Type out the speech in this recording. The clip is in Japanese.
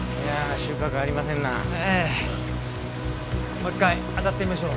もう１回当たってみましょう。